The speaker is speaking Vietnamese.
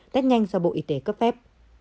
test nhanh do bộ y tế cấp phép